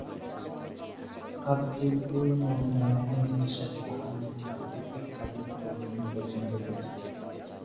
আব্দুলপুর-মালদা লাইনের একটি শাখা আমনুরা থেকে চাঁপাইনবাবগঞ্জ পর্যন্ত গেছে।